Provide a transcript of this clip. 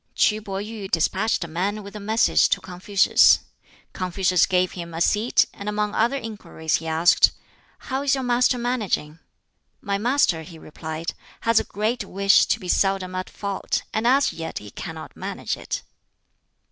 KŁ Pih yuh despatched a man with a message to Confucius. Confucius gave him a seat, and among other inquiries he asked, "How is your master managing?" "My master," he replied, "has a great wish to be seldom at fault, and as yet he cannot manage it."